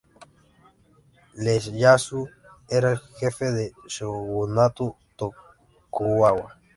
Ieyasu era el jefe del Shogunato Tokugawa.